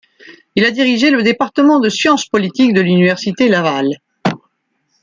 Il a dirigé le département de science politique de l'Université Laval.